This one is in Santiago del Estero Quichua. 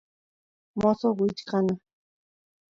mosoq wichkana